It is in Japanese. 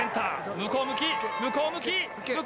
向こう向き向こう向き！